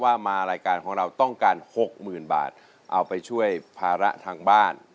มารายการของเราต้องการ๖๐๐๐บาทเอาไปช่วยภาระทางบ้าน